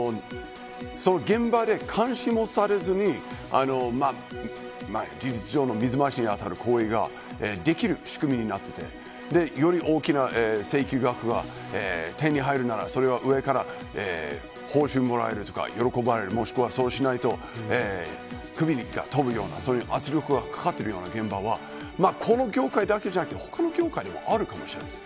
現場で監視もされずに事実上の水増しに当たるような行いができる仕組みになってるので非常に大きな請求額が手に入るなら上から報酬ももらえて喜ばれるとかそうしないと首が飛ぶような圧力がかかっている現場はこの業界だけじゃなくて他にもあるかもしれません。